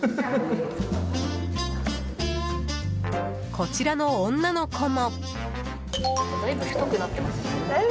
こちらの女の子も。